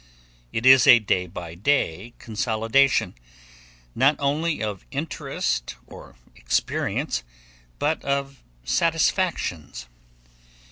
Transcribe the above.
It is a day by day consolidation, not only of interest or experience, but of satisfactions.